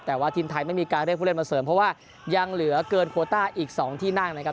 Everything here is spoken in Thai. แต่ว่าทีมไทยไม่มีการเรียกผู้เล่นมาเสริมเพราะว่ายังเหลือเกินโคต้าอีก๒ที่นั่งนะครับ